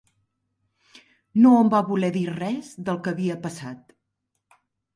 No em va voler dir res del que havia passat.